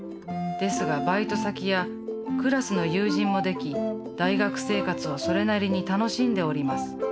ですがバイト先やクラスの友人もでき大学生活をそれなりに楽しんでおります。